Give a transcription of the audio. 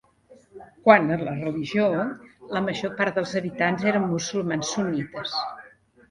Quant a la religió, la major part dels habitants eren musulmans sunnites.